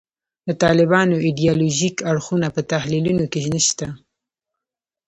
د طالبانو ایدیالوژیک اړخونه په تحلیلونو کې نشته.